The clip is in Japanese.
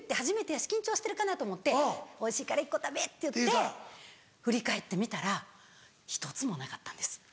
初めてやし緊張してるかなと思って「おいしいから１個食べ」って言って振り返って見たら１つもなかったんです。